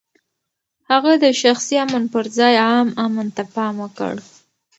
هغه د شخصي امن پر ځای عام امن ته پام وکړ.